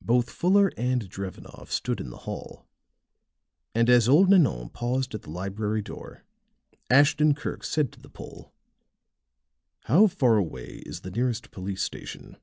Both Fuller and Drevenoff stood in the hall; and as old Nanon paused at the library door, Ashton Kirk said to the Pole: "How far away is the nearest police station?"